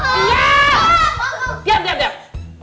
tidak diam diam